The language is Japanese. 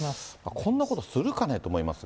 こんなこと、するかね？と思いますが。